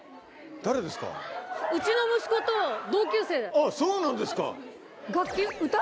あっそうなんですか！